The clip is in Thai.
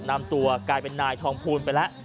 นำตัวกลายเป็นนายทองภูลไปแล้ว